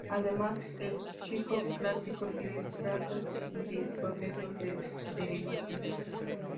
Además el chino clásico tiene trazas de procesos de derivación.